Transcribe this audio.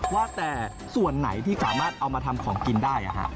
ว่าแต่ส่วนไหนที่สามารถเอามาทำของกินได้